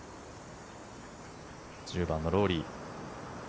１０番のロウリー。